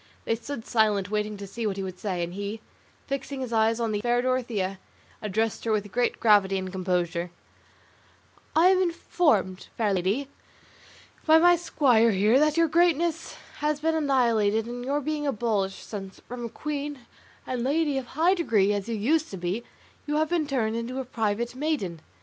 They stood silent waiting to see what he would say, and he, fixing his eyes on the fair Dorothea, addressed her with great gravity and composure: "I am informed, fair lady, by my squire here that your greatness has been annihilated and your being abolished, since, from a queen and lady of high degree as you used to be, you have been turned into a private maiden.